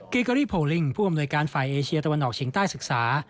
เกอรี่โพลิงผู้อำนวยการฝ่ายเอเชียตะวันออกเฉียงใต้ศึกษา